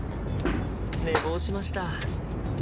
寝坊しました。